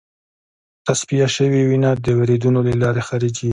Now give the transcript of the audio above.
تصفیه شوې وینه د وریدونو له لارې خارجېږي.